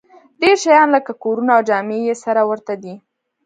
ډېر شیان لکه کورونه او جامې یې سره ورته دي